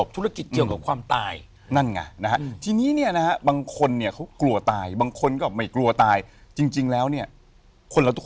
ถามหลักศาสนานะฮะ